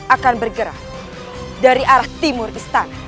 akan bergerak dari arah timur istana